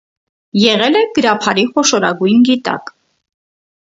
Եղել է գրաբարի խոշորագույն գիտակ։